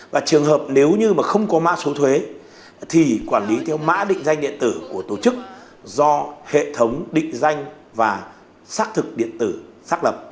và trường hợp nếu như mà không có mã số thuế thì quản lý theo mã định danh điện tử của tổ chức do hệ thống định danh và xác thực điện tử xác lập